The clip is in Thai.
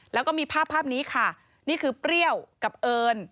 แล้วก็มีภาพภาพนี้ค่ะนี่คือเปรี้ยวกับเอิญ